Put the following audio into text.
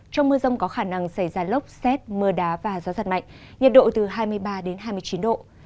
trong mưa rông có khả năng xảy ra lốc xét mưa đá và gió giật mạnh nhiệt độ từ hai mươi ba đến hai mươi chín độ